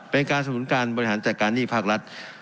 เป็นการสนุนการบริหารจัดการหนี้ภาครัฐ